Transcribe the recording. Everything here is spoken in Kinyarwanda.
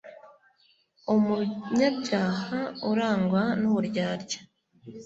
umunyabyaha urangwa n’uburyarya